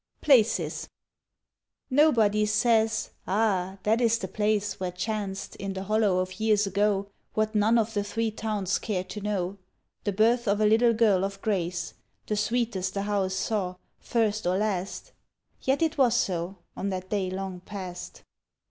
PLACES NOBODY says: Ah, that is the place Where chanced, in the hollow of years ago, What none of the Three Towns cared to know— The birth of a little girl of grace— The sweetest the house saw, first or last; Yet it was so On that day long past.